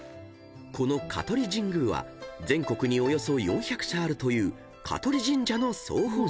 ［この香取神宮は全国におよそ４００社あるという香取神社の総本社］